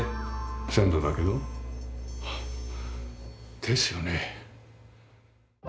先祖だけど。ですよね。